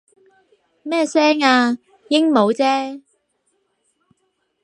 咩聲啊？鸚鵡啫